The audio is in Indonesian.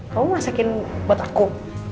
kamu masakin buat aku